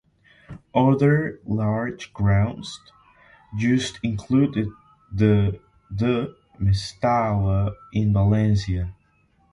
Other large grounds used include the the Mestalla in Valencia.